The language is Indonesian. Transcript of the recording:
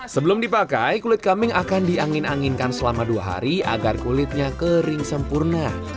sebelum dipakai kulit kambing akan diangin anginkan selama dua hari agar kulitnya kering sempurna